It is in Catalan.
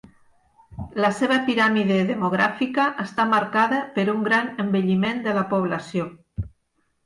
La seva piràmide demogràfica està marcada per un gran envelliment de la població.